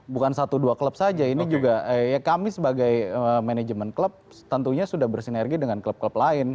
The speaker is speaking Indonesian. bukan satu dua klub saja ini juga ya kami sebagai manajemen klub tentunya sudah bersinergi dengan klub klub lain